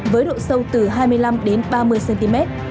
với độ sâu từ hai mươi năm đến ba mươi cm